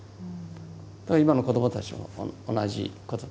だから今の子どもたちも同じことです。